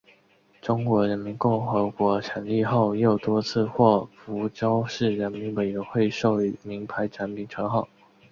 中华人民共和国成立后又多次获福州市人民委员会授予名牌产品称号。